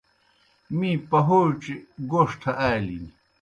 می پہَوڇیْ گوݜٹھہ آلِن۔